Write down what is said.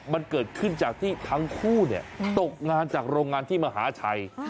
มันเกิดขึ้นจากที่ทั้งคู่ตกงานจากโรงงานที่มหาชัย